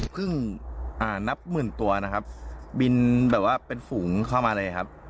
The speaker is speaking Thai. นับหมื่นตัวนะครับบินแบบว่าเป็นฝูงเข้ามาเลยครับ